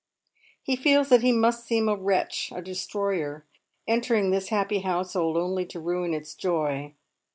He feels that he must seem a wretch, a destroyer, entering this happy household only to ruin its joy.